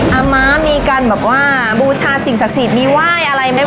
อำมณามีการบิวชาสิ่งศักดิ์สี่มีว่ายอะไรไหม